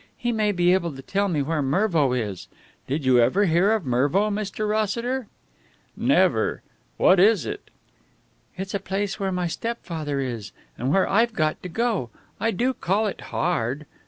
He may be able to tell me where Mervo is. Did you ever hear of Mervo, Mr. Rossiter?" "Never. What is it?" "It's a place where my stepfather is, and where I've got to go. I do call it hard.